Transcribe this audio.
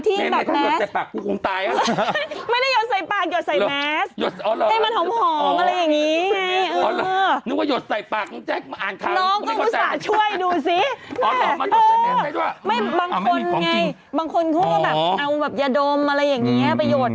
ที่แบบมาส